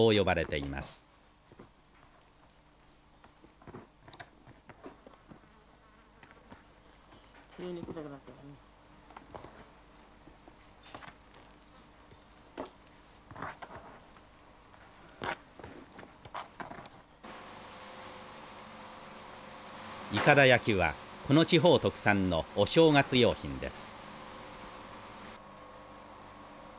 いかだ焼きはこの地方特産のお正月用品です。